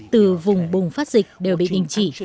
từ vùng bùng phát dịch đều bị bình chỉ